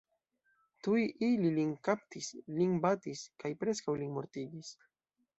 Tuj ili Lin kaptis, lin batis, kaj preskaŭ lin mortigis.